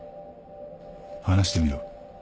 話してみろ。